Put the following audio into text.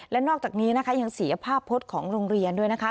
และนอกจากนี้นะคะยังเสียภาพพจน์ของโรงเรียนด้วยนะคะ